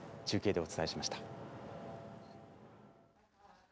中継でお伝えしました。